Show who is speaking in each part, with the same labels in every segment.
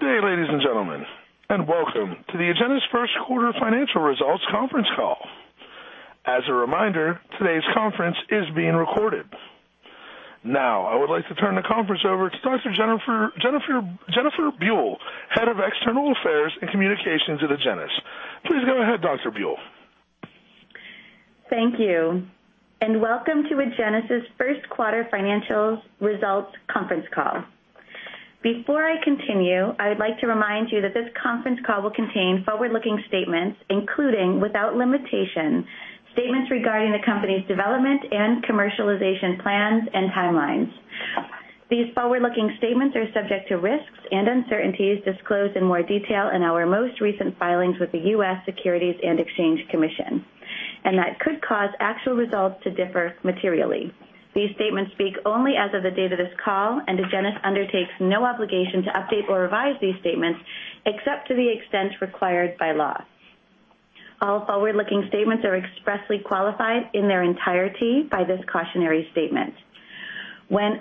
Speaker 1: Good day, ladies and gentlemen, welcome to the Agenus first quarter financial results conference call. As a reminder, today's conference is being recorded. Now, I would like to turn the conference over to Dr. Jennifer Buell, head of external affairs and communications at Agenus. Please go ahead, Dr. Buell.
Speaker 2: Thank you, welcome to Agenus' first quarter financial results conference call. Before I continue, I would like to remind you that this conference call will contain forward-looking statements, including, without limitation, statements regarding the company's development and commercialization plans and timelines. These forward-looking statements are subject to risks and uncertainties disclosed in more detail in our most recent filings with the U.S. Securities and Exchange Commission, that could cause actual results to differ materially. These statements speak only as of the date of this call, Agenus undertakes no obligation to update or revise these statements, except to the extent required by law. All forward-looking statements are expressly qualified in their entirety by this cautionary statement. As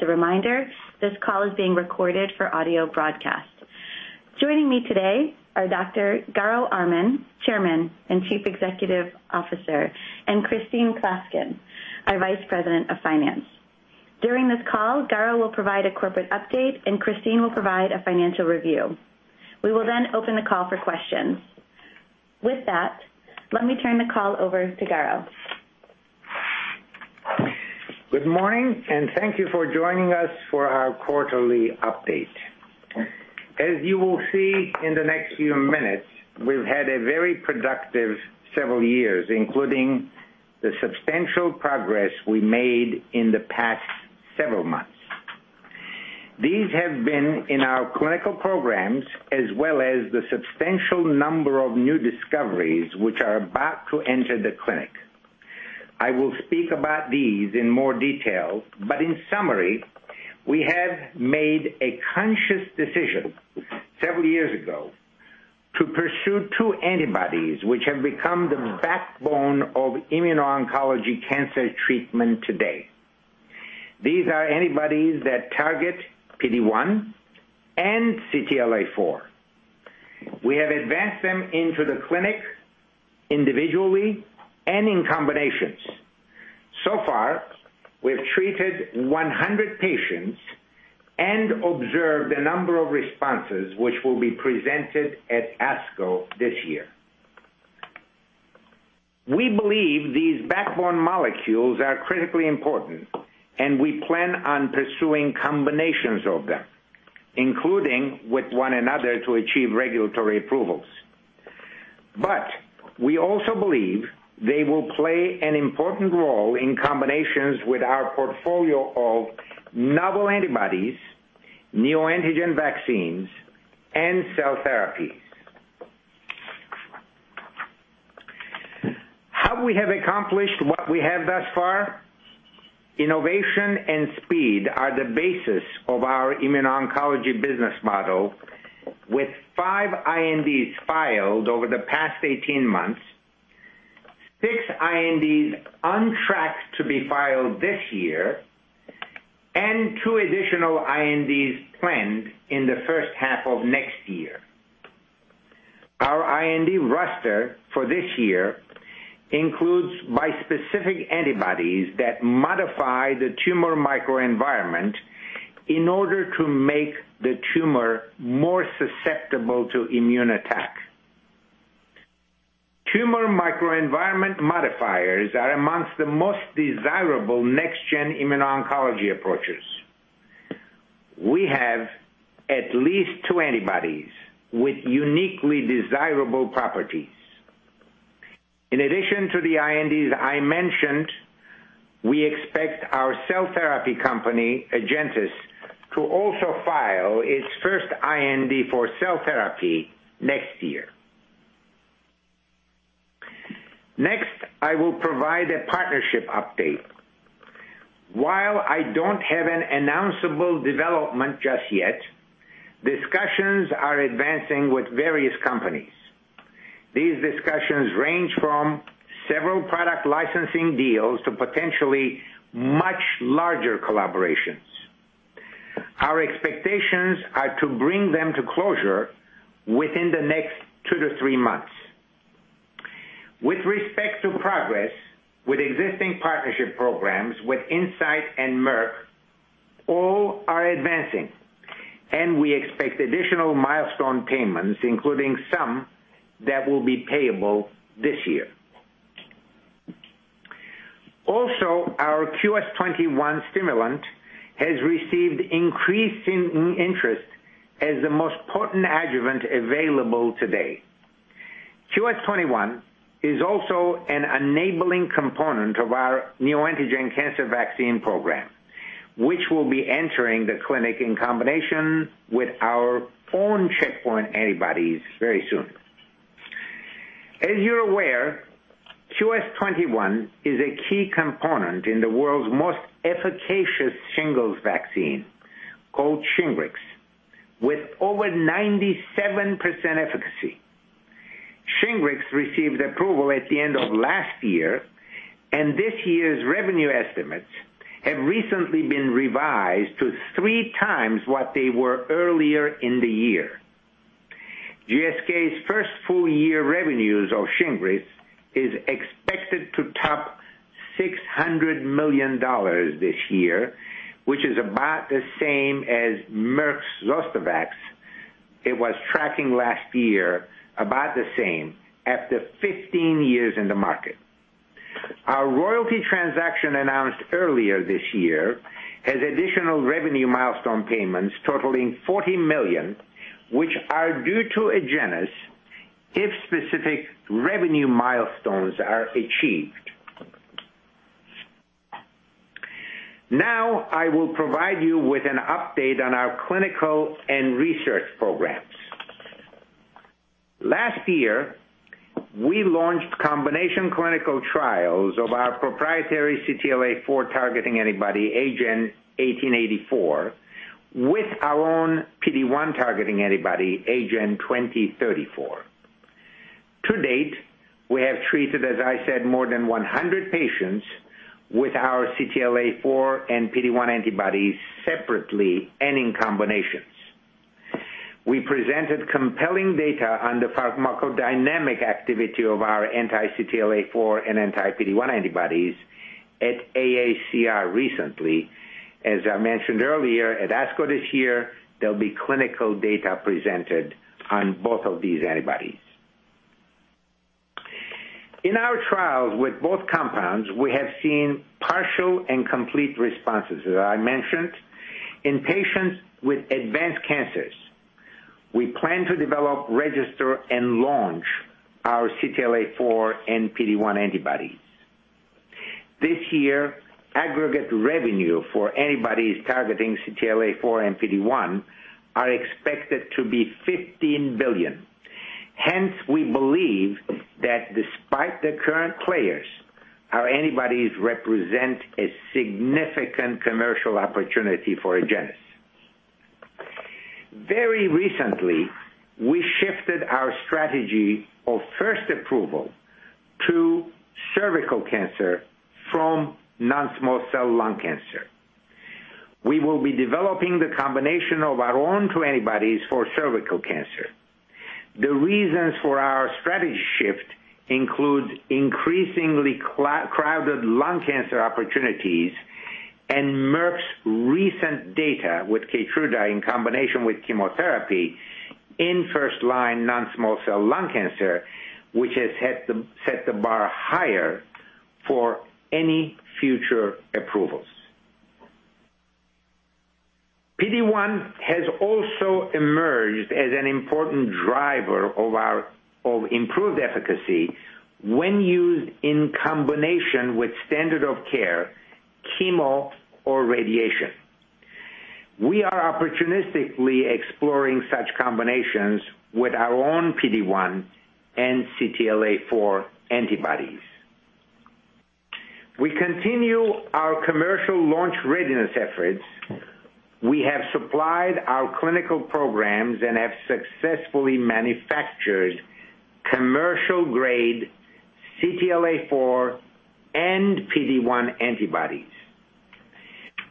Speaker 2: a reminder, this call is being recorded for audio broadcast. Joining me today are Dr. Garo Armen, Chairman and Chief Executive Officer, Christine Klaskin, our Vice President of Finance. During this call, Garo will provide a corporate update, Christine will provide a financial review. We will open the call for questions. With that, let me turn the call over to Garo.
Speaker 3: Good morning, thank you for joining us for our quarterly update. You will see in the next few minutes, we've had a very productive several years, including the substantial progress we made in the past several months. These have been in our clinical programs, as well as the substantial number of new discoveries which are about to enter the clinic. I will speak about these in more detail, in summary, we have made a conscious decision several years ago to pursue two antibodies, which have become the backbone of immuno-oncology cancer treatment today. These are antibodies that target PD-1 and CTLA-4. We have advanced them into the clinic individually and in combinations. So far, we've treated 100 patients and observed a number of responses which will be presented at ASCO this year. We believe these backbone molecules are critically important. We plan on pursuing combinations of them, including with one another to achieve regulatory approvals. We also believe they will play an important role in combinations with our portfolio of novel antibodies, neoantigen vaccines, and cell therapies. How we have accomplished what we have thus far? Innovation and speed are the basis of our immuno-oncology business model with 5 INDs filed over the past 18 months, 6 INDs on track to be filed this year, and 2 additional INDs planned in the first half of next year. Our IND roster for this year includes bispecific antibodies that modify the tumor microenvironment in order to make the tumor more susceptible to immune attack. Tumor microenvironment modifiers are amongst the most desirable next-gen immuno-oncology approaches. We have at least 2 antibodies with uniquely desirable properties. In addition to the INDs I mentioned, we expect our cell therapy company, Agenus, to also file its first IND for cell therapy next year. Next, I will provide a partnership update. While I don't have an announceable development just yet, discussions are advancing with various companies. These discussions range from several product licensing deals to potentially much larger collaborations. Our expectations are to bring them to closure within the next 2-3 months. With respect to progress with existing partnership programs with Incyte and Merck, all are advancing, and we expect additional milestone payments, including some that will be payable this year. Also, our QS-21 Stimulon has received increasing interest as the most potent adjuvant available today. QS-21 is also an enabling component of our neoantigen cancer vaccine program, which will be entering the clinic in combination with our own checkpoint antibodies very soon. As you're aware, QS-21 is a key component in the world's most efficacious shingles vaccine called SHINGRIX, with over 97% efficacy. SHINGRIX received approval at the end of last year, and this year's revenue estimates have recently been revised to 3 times what they were earlier in the year. GSK's first full-year revenues of SHINGRIX is expected to top $600 million this year, which is about the same as Merck's ZOSTAVAX. It was tracking last year about the same after 15 years in the market. Our royalty transaction announced earlier this year has additional revenue milestone payments totaling $40 million, which are due to Agenus if specific revenue milestones are achieved. I will provide you with an update on our clinical and research programs. Last year, we launched combination clinical trials of our proprietary CTLA-4 targeting antibody, AGEN1884, with our own PD-1 targeting antibody, AGEN2034. To date, we have treated, as I said, more than 100 patients with our CTLA-4 and PD-1 antibodies separately and in combinations. We presented compelling data on the pharmacodynamic activity of our anti-CTLA-4 and anti-PD-1 antibodies at AACR recently. As I mentioned earlier, at ASCO this year, there will be clinical data presented on both of these antibodies. In our trials with both compounds, we have seen partial and complete responses, as I mentioned, in patients with advanced cancers. We plan to develop, register, and launch our CTLA-4 and PD-1 antibodies. This year, aggregate revenue for antibodies targeting CTLA-4 and PD-1 are expected to be $15 billion. We believe that despite the current players, our antibodies represent a significant commercial opportunity for Agenus. Very recently, we shifted our strategy of first approval to cervical cancer from non-small cell lung cancer. We will be developing the combination of our own two antibodies for cervical cancer. The reasons for our strategy shift include increasingly crowded lung cancer opportunities and Merck's recent data with KEYTRUDA in combination with chemotherapy in first-line non-small cell lung cancer, which has set the bar higher for any future approvals. PD-1 has also emerged as an important driver of improved efficacy when used in combination with standard of care, chemo, or radiation. We are opportunistically exploring such combinations with our own PD-1 and CTLA-4 antibodies. We continue our commercial launch readiness efforts. We have supplied our clinical programs and have successfully manufactured commercial-grade CTLA-4 and PD-1 antibodies.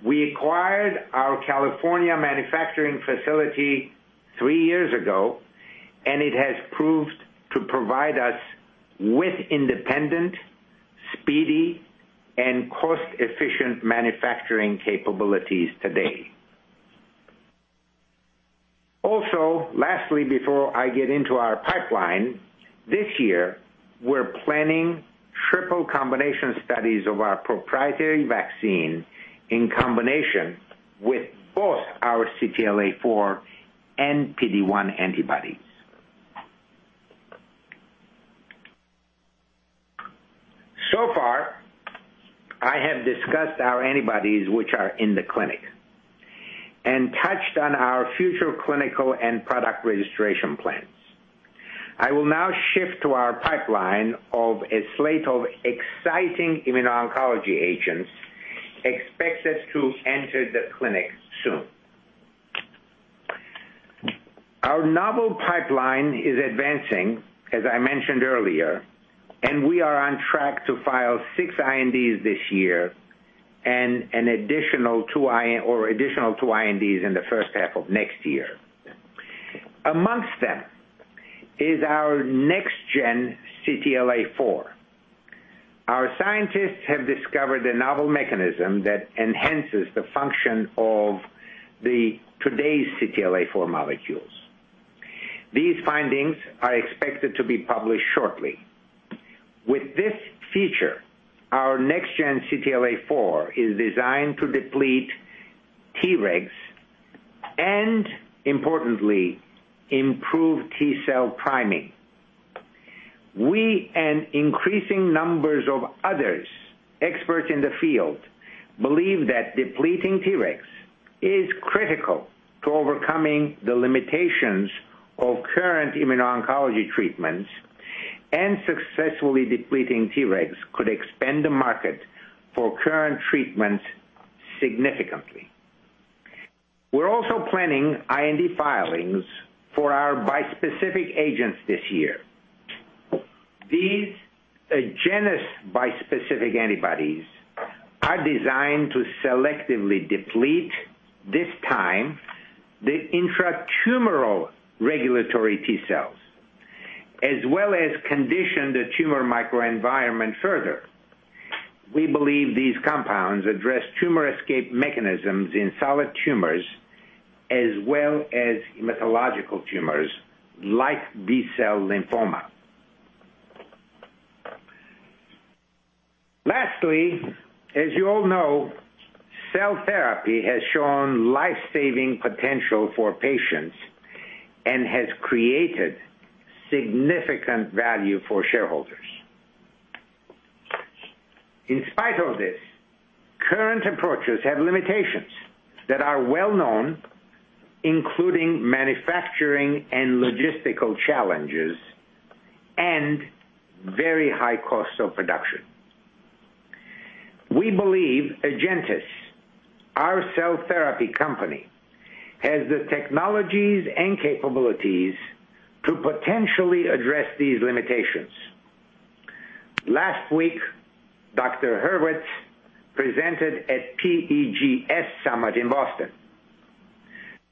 Speaker 3: We acquired our California manufacturing facility three years ago, and it has proved to provide us with independent, speedy, and cost-efficient manufacturing capabilities today. Also, lastly, before I get into our pipeline, this year, we're planning triple combination studies of our proprietary vaccine in combination with both our CTLA-4 and PD-1 antibodies. So far, I have discussed our antibodies, which are in the clinic, and touched on our future clinical and product registration plans. I will now shift to our pipeline of a slate of exciting immuno-oncology agents expected to enter the clinic soon. Our novel pipeline is advancing, as I mentioned earlier, and we are on track to file six INDs this year and an additional two INDs in the first half of next year. Amongst them is our next gen CTLA-4. Our scientists have discovered a novel mechanism that enhances the function of today's CTLA-4 molecules. These findings are expected to be published shortly. With this feature, our next gen CTLA-4 is designed to deplete Tregs and, importantly, improve T cell priming. We, and increasing numbers of other experts in the field, believe that depleting Tregs is critical to overcoming the limitations of current immuno-oncology treatments, and successfully depleting Tregs could expand the market for current treatments significantly. We're also planning IND filings for our bispecific agents this year. These Agenus bispecific antibodies are designed to selectively deplete, this time, the intratumoral regulatory T cells, as well as condition the tumor microenvironment further. We believe these compounds address tumor escape mechanisms in solid tumors, as well as hematological tumors like B-cell lymphoma. Lastly, as you all know, cell therapy has shown life-saving potential for patients and has created significant value for shareholders. In spite of this, current approaches have limitations that are well-known, including manufacturing and logistical challenges and very high costs of production. We believe Agenus, our cell therapy company, has the technologies and capabilities to potentially address these limitations. Last week, Dr. Hurwitz presented at PEGS Summit in Boston.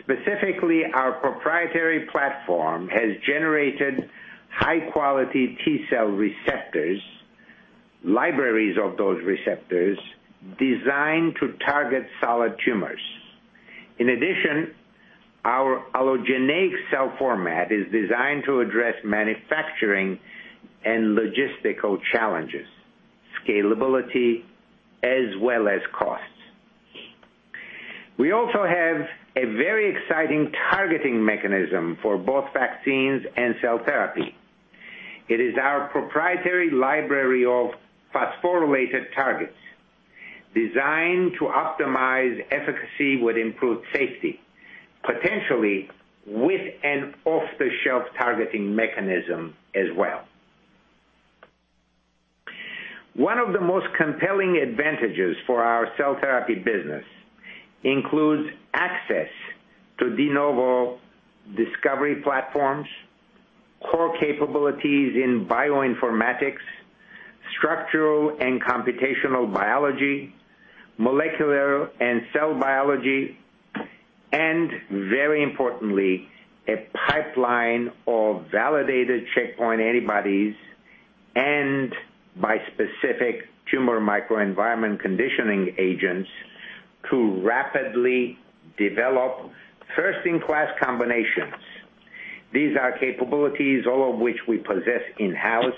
Speaker 3: Specifically, our proprietary platform has generated high-quality T cell receptors, libraries of those receptors designed to target solid tumors. In addition, our allogeneic cell format is designed to address manufacturing and logistical challenges, scalability, as well as costs. We also have a very exciting targeting mechanism for both vaccines and cell therapy. It is our proprietary library of phosphorylated targets designed to optimize efficacy with improved safety, potentially with an off-the-shelf targeting mechanism as well. One of the most compelling advantages for our cell therapy business includes access to de novo discovery platforms, core capabilities in bioinformatics, structural and computational biology, molecular and cell biology, and very importantly, a pipeline of validated checkpoint antibodies and bispecific tumor microenvironment conditioning agents to rapidly develop first-in-class combinations. These are capabilities all of which we possess in-house,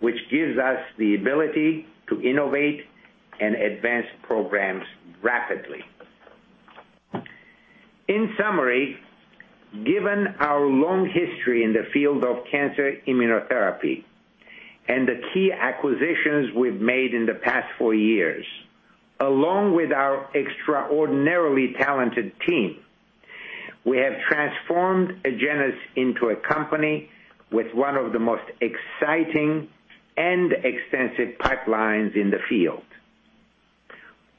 Speaker 3: which gives us the ability to innovate and advance programs rapidly. In summary, given our long history in the field of cancer immunotherapy and the key acquisitions we've made in the past 4 years, along with our extraordinarily talented team, we have transformed Agenus into a company with one of the most exciting and extensive pipelines in the field.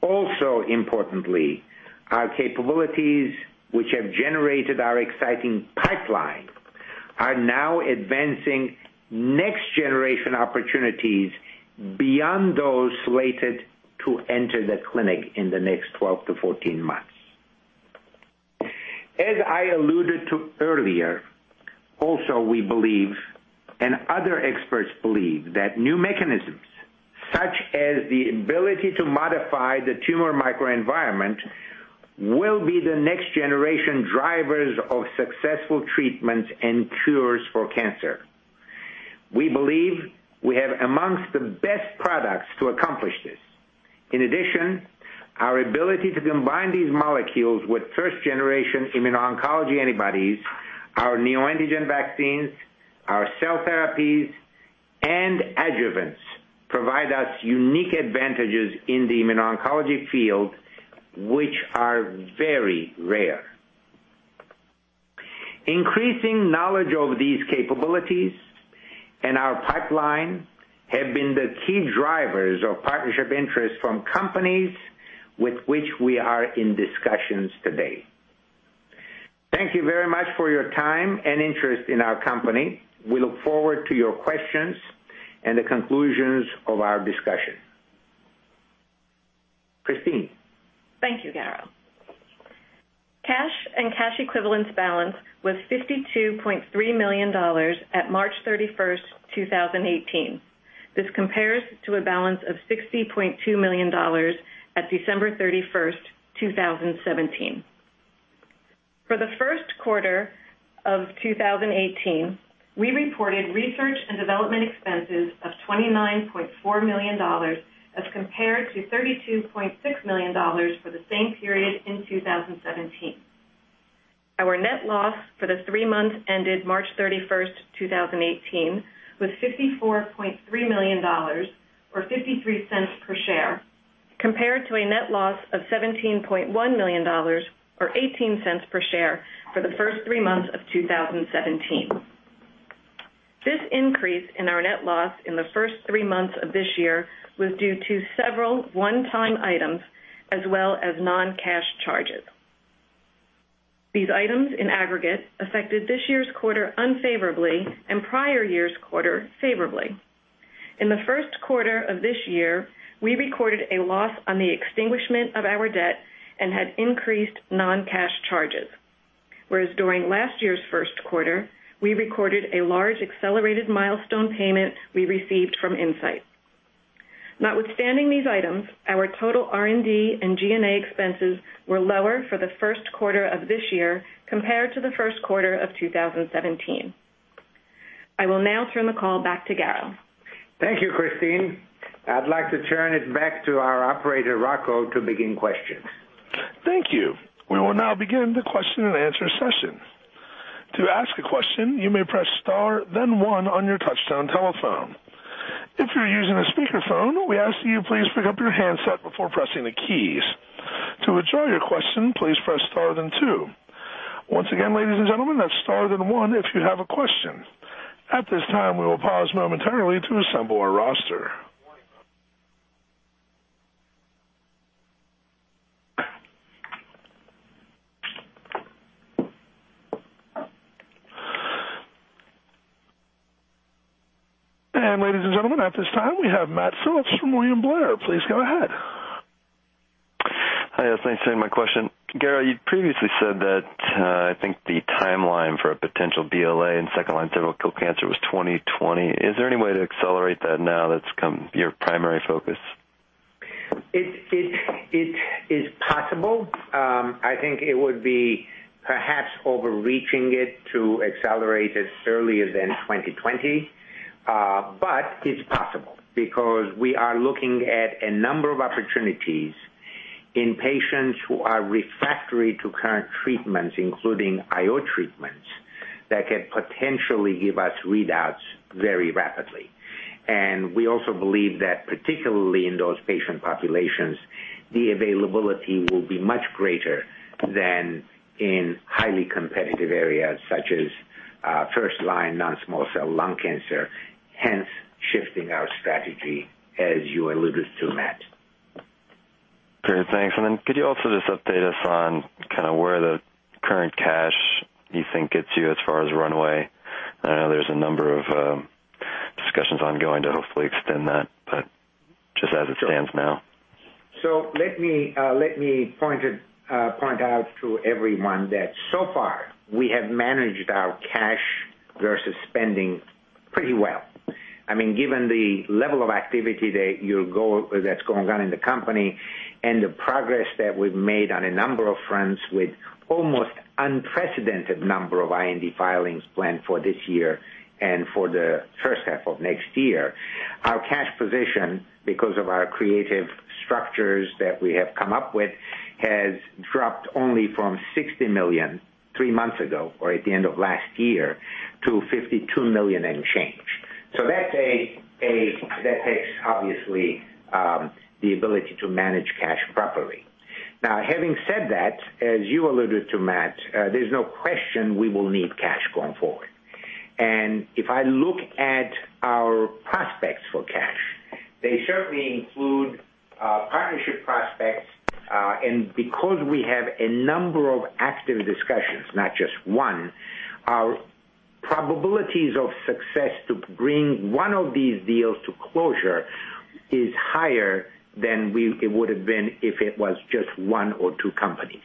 Speaker 3: Also importantly, our capabilities, which have generated our exciting pipeline, are now advancing next-generation opportunities beyond those slated to enter the clinic in the next 12 to 14 months. As I alluded to earlier, also we believe, and other experts believe, that new mechanisms such as the ability to modify the tumor microenvironment will be the next-generation drivers of successful treatments and cures for cancer. We believe we have amongst the best products to accomplish this. In addition, our ability to combine these molecules with first-generation immuno-oncology antibodies, our neoantigen vaccines, our cell therapies, and adjuvants provide us unique advantages in the immuno-oncology field, which are very rare. Increasing knowledge of these capabilities and our pipeline have been the key drivers of partnership interest from companies with which we are in discussions today. Thank you very much for your time and interest in our company. We look forward to your questions and the conclusions of our discussion. Christine.
Speaker 4: Thank you, Garo. Cash and cash equivalents balance was $52.3 million at March 31st, 2018. This compares to a balance of $60.2 million at December 31st, 2017. For the first quarter of 2018, we reported research and development expenses of $29.4 million as compared to $32.6 million for the same period in 2017. Our net loss for the three months ended March 31st, 2018, was $54.3 million or $0.53 per share, compared to a net loss of $17.1 million or $0.18 per share for the first three months of 2017. This increase in our net loss in the first three months of this year was due to several one-time items as well as non-cash charges. These items in aggregate affected this year's quarter unfavorably and prior year's quarter favorably. In the first quarter of this year, we recorded a loss on the extinguishment of our debt and had increased non-cash charges. Whereas during last year's first quarter, we recorded a large accelerated milestone payment we received from Incyte. Notwithstanding these items, our total R&D and G&A expenses were lower for the first quarter of this year compared to the first quarter of 2017. I will now turn the call back to Garo.
Speaker 3: Thank you, Christine. I'd like to turn it back to our operator, Rocco, to begin questions.
Speaker 1: Thank you. We will now begin the question and answer session. To ask a question, you may press star then one on your touchtone telephone. If you're using a speakerphone, we ask that you please pick up your handset before pressing the keys. To withdraw your question, please press star then two. Once again, ladies and gentlemen, that's star then one if you have a question. At this time, we will pause momentarily to assemble our roster. Ladies and gentlemen, at this time, we have Matt Phipps from William Blair. Please go ahead.
Speaker 5: Hi, thanks. My question. Garo, you previously said that, I think the timeline for a potential BLA in second-line cervical cancer was 2020. Is there any way to accelerate that now that it's become your primary focus?
Speaker 3: It is possible. I think it would be perhaps overreaching it to accelerate as early as in 2020. It's possible because we are looking at a number of opportunities in patients who are refractory to current treatments, including IO treatments, that could potentially give us readouts very rapidly. We also believe that particularly in those patient populations, the availability will be much greater than in highly competitive areas such as first-line non-small cell lung cancer, hence shifting our strategy as you alluded to, Matt.
Speaker 5: Great, thanks. Could you also just update us on kind of where the current cash you think gets you as far as runway? I know there's a number of discussions ongoing to hopefully extend that, but just as it stands now.
Speaker 3: Let me point out to everyone that so far we have managed our cash versus spending pretty well. Given the level of activity that's going on in the company and the progress that we've made on a number of fronts with almost unprecedented number of IND filings planned for this year and for the first half of next year. Our cash position, because of our creative structures that we have come up with, has dropped only from $60 million 3 months ago or at the end of last year, to $52 million and change. That takes obviously, the ability to manage cash properly. Now, having said that, as you alluded to, Matt, there's no question we will need cash going forward. If I look at our prospects for cash, they certainly include partnership prospects. Because we have a number of active discussions, not just one, our probabilities of success to bring one of these deals to closure is higher than it would have been if it was just one or two companies.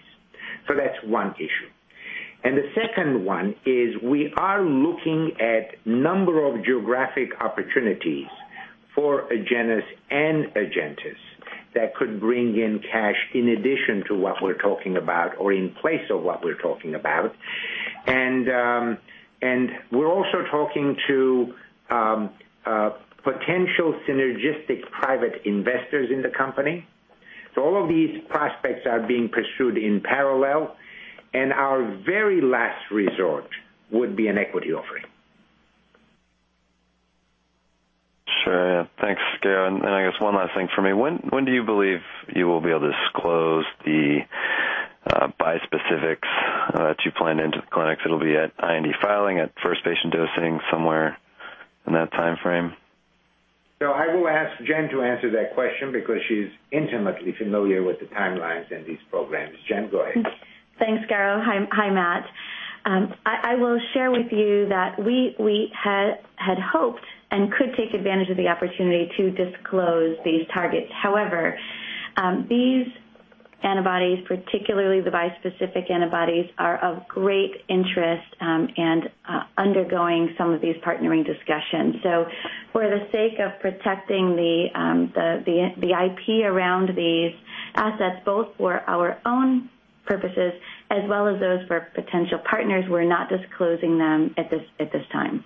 Speaker 3: That's one issue. The second one is we are looking at number of geographic opportunities for Agenus and AgenTus that could bring in cash in addition to what we're talking about or in place of what we're talking about. We're also talking to potential synergistic private investors in the company. All of these prospects are being pursued in parallel, and our very last resort would be an equity offering.
Speaker 5: Sure, yeah. Thanks, Garo. I guess one last thing for me. When do you believe you will be able to disclose the bispecifics that you plan into the clinics? It'll be at IND filing, at first patient dosing, somewhere in that timeframe?
Speaker 3: I will ask Jen to answer that question because she's intimately familiar with the timelines in these programs. Jen, go ahead.
Speaker 2: Thanks, Garo. Hi, Matt. I will share with you that we had hoped and could take advantage of the opportunity to disclose these targets. However, these antibodies, particularly the bispecific antibodies, are of great interest and undergoing some of these partnering discussions. For the sake of protecting the IP around these assets, both for our own purposes as well as those for potential partners, we're not disclosing them at this time.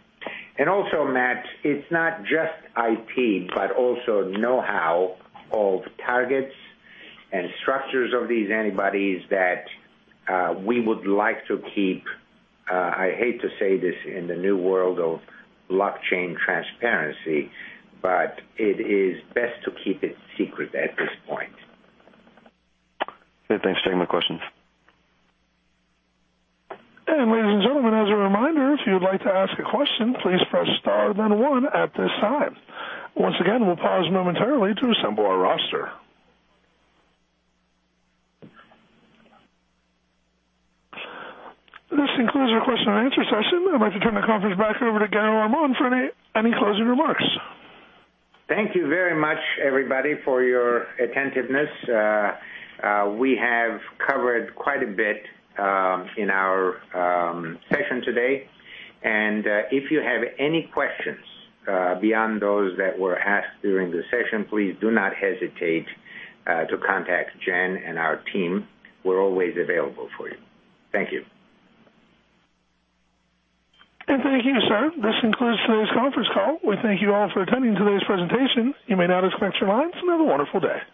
Speaker 3: Also, Matt, it's not just IP, but also know-how of targets and structures of these antibodies that we would like to keep, I hate to say this in the new world of blockchain transparency, but it is best to keep it secret at this point.
Speaker 5: Good. Thanks for taking my questions.
Speaker 1: Ladies and gentlemen, as a reminder, if you would like to ask a question, please press star then one at this time. Once again, we'll pause momentarily to assemble our roster. This concludes our question and answer session. I'd like to turn the conference back over to Garo Armen for any closing remarks.
Speaker 3: Thank you very much, everybody, for your attentiveness. We have covered quite a bit in our session today. If you have any questions beyond those that were asked during the session, please do not hesitate to contact Jen and our team. We're always available for you. Thank you.
Speaker 1: Thank you, sir. This concludes today's conference call. We thank you all for attending today's presentation. You may now disconnect your lines and have a wonderful day.